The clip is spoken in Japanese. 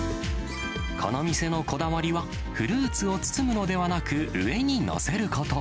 この店のこだわりは、フルーツを包むのではなく、上に載せること。